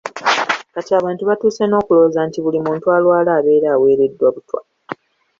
Kati abantu batuuse n'okulowooza nti buli muntu alwala abeera aweereddwa butwa.